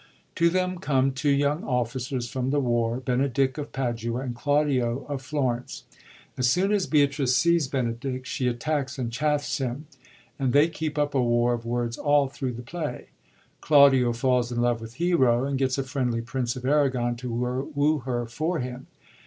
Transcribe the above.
To them come two young officers from the war, Benedick of Padua, and Claudio of Florence. As soon as Beatrice sees Benedick, she attacks and chaffs him ; and they keep up a war of words all thru the play. Claudio falls in love with Hero, and gets a friendly Prince of Aragon to woo her for him.